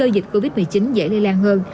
dịch covid một mươi chín dễ lây lan hơn